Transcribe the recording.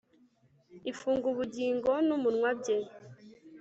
ifunga ubugingo numunwa bye